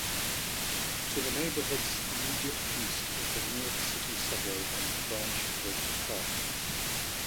To the neighborhood's immediate east is the Newark City Subway and Branch Brook Park.